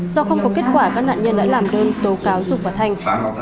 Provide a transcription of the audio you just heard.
do không có kết quả các nạn nhân đã làm đơn tố cáo dục và thanh